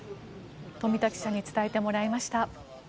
冨田記者に伝えてもらいました。